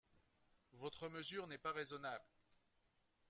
Votre mesure n’est pas raisonnable.